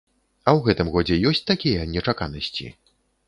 А ў гэтым годзе ёсць такія нечаканасці?